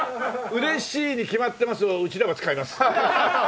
「うれしいに決まってます」をうちでは使います。